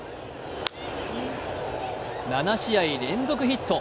７試合連続ヒット。